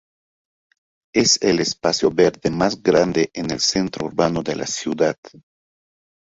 Es el espacio verde más grande en el centro urbano de la ciudad.